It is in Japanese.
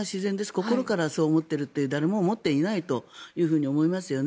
心からそう思っているとは誰も思っていないと思いますよね。